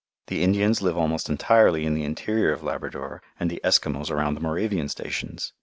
The Indians live almost entirely in the interior of Labrador and the Eskimos around the Moravian stations.